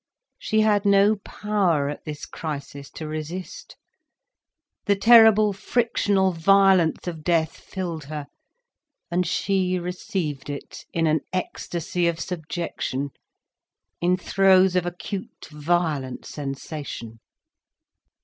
She had no power at this crisis to resist. The terrible frictional violence of death filled her, and she received it in an ecstasy of subjection, in throes of acute, violent sensation.